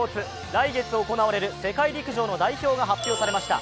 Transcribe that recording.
来月行われる世界陸上の代表が発表されました。